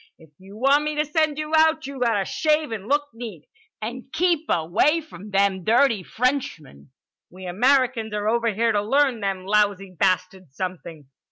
If you want me to send you out, you gotta shave and look neat, and keep away from them dirty Frenchmen. We Americans are over here to learn them lousy bastards something."